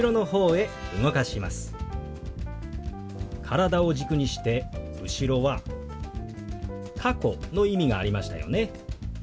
体を軸にして後ろは「過去」の意味がありましたよね。